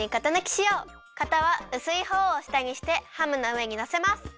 型はうすい方を下にしてハムのうえにのせます。